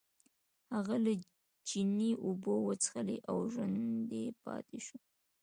هغه له چینې اوبه وڅښلې او ژوندی پاتې شو.